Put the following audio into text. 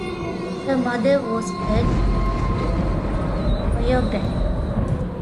Her mother was a choreographer.